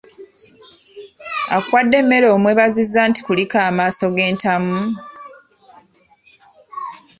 Akuwadde emmere omwebaza nti kulika amaaso g’entamu.